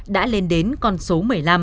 đã lên đến con số một mươi năm